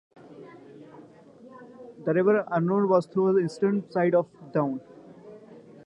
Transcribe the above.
The River Arun runs through the eastern side of the town.